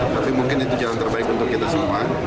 tapi mungkin itu jalan terbaik untuk kita semua